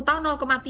sepuluh tahun tiga